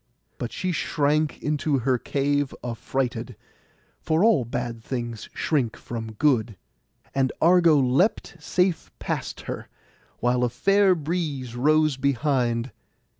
But she shrank into her cave affrighted—for all bad things shrink from good—and Argo leapt safe past her, while a fair breeze rose behind.